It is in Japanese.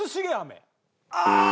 ああ！